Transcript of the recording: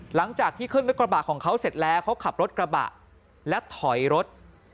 หลังจากที่ขึ้นรถกระบะของเขาเสร็จแล้วเขาขับรถกระบะและถอยรถ